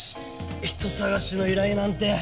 人捜しの依頼なんて。